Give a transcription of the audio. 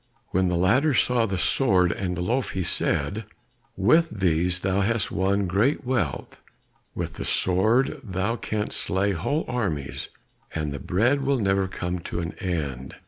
When the latter saw the sword and the loaf, he said, "With these thou hast won great wealth; with the sword thou canst slay whole armies, and the bread will never come to an end."